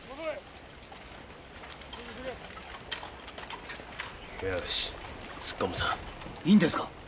いいんですか？